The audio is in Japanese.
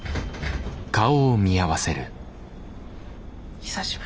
久しぶり。